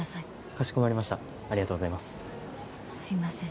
かしこまりましたありがとうございますすいません